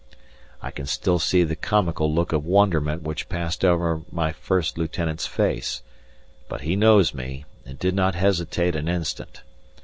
I can still see the comical look of wonderment which passed over my First Lieutenant's face, but he knows me, and did not hesitate an instant.